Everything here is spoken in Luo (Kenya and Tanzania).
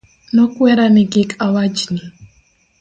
Nokwera ni kik awach ni.